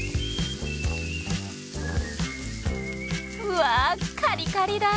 うわあカリカリだ！